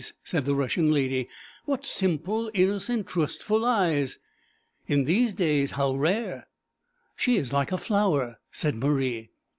said the Russian lady 'what simple, innocent, trustful eyes! In these days how rare!' 'She is like a flower,' said Marie.